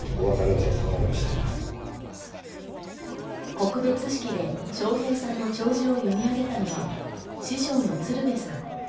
告別式で笑瓶さんの弔辞を読み上げたのは、師匠の鶴瓶さん。